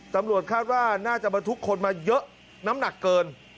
ตำรวจคาดว่าน่าจะบรรทุกคนมาเยอะน้ำหนักเกิน